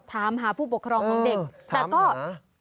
ถามหาผู้ปกครองของเด็กแต่ก็